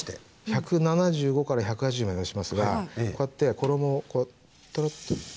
１７５から１８０まで目指しますがこうやって衣をこうトロッと。